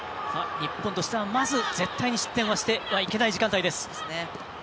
日本としては、まず絶対、失点はしてはいけない時間帯です。